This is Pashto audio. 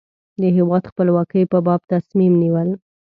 د هېواد خپلواکۍ په باب تصمیم نیول.